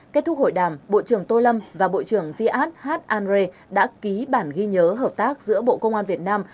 kết thúc hội đàm bộ trưởng tô lâm và bộ trưởng giãn hát an rê đã ký bản ghi nhớ hợp tác giữa bộ công an việt nam